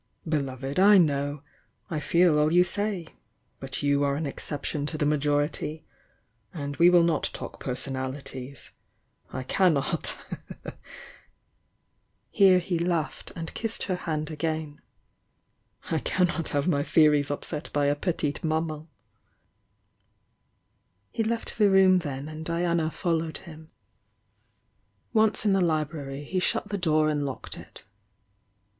"Beloved, I know! — I feel all you say — but you are an exception to the majority — and we will not talk personalities! I cannot" — here he laughed and Irkrd her hand again — "I cannot have my theories upset by a petite Maman!" He left the room then and Diana followed him. '"^..IT' THE YOUXG DIANA 178 Once in thq library he shut the door and locked it.